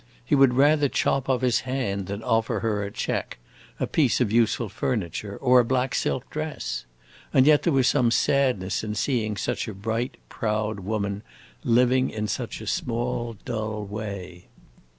He would rather chop off his hand than offer her a check, a piece of useful furniture, or a black silk dress; and yet there was some sadness in seeing such a bright, proud woman living in such a small, dull way.